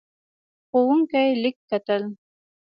ښوونکی لیک کتل.